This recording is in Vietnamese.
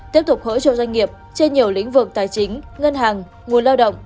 tiếp tục hỗ trợ doanh nghiệp trên nhiều lĩnh vực tài chính ngân hàng nguồn lao động